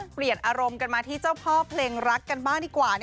เปลี่ยนอารมณ์กันมาที่เจ้าพ่อเพลงรักกันบ้างดีกว่า